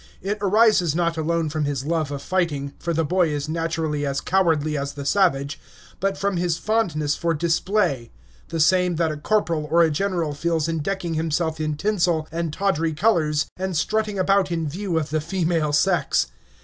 It arises not alone from his love of fighting, for the boy is naturally as cowardly as the savage, but from his fondness for display, the same that a corporal or a general feels in decking himself in tinsel and tawdry colors and strutting about in view of the female sex.